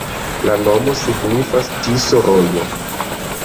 La nomo signifas: Tiso-rojo.